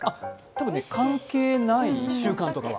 たぶん関係ない、１週間とかは。